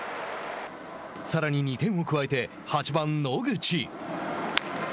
さらに２点を加えて８番野口。